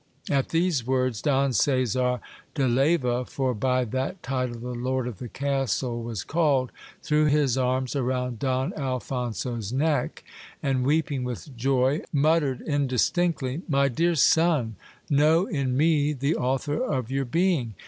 At these words, Don Caesar de Leyva, for by that title the lord of the castle was called, threw his arms round Don Alphonso's neck, and weeping with joy, muttered indistinctly, My dear son, know in me the author of your being.